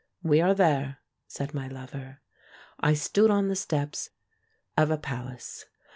"We are there," said my lover. I stood on the steps of a palace.